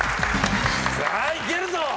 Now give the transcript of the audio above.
さあいけるぞ！